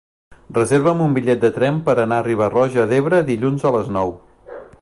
Reserva'm un bitllet de tren per anar a Riba-roja d'Ebre dilluns a les nou.